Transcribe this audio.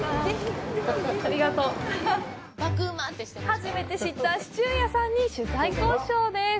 初めて知ったシチュー屋さんに取材交渉です。